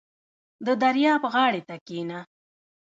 • د دریاب غاړې ته کښېنه.